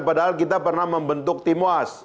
sehingga kita pernah membentuk timuas